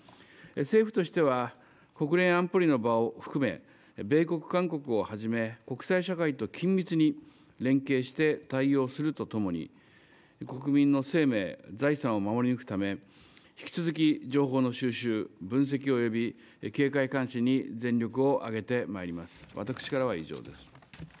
政府としては、国連安保理の場を含め、米国、韓国をはじめ、国際社会と緊密に連携して対応するとともに、国民の生命、財産を守り抜くため、引き続き情報の収集、分析および警戒監視に全力を挙げてまいります。